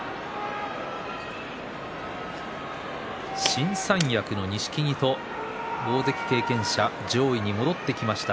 新三役の錦木と大関経験者、上位に戻ってきました